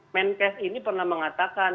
menkes ini pernah mengatakan